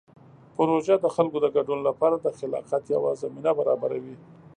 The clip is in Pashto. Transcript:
پروژه د خلکو د ګډون لپاره د خلاقیت یوه زمینه برابروي.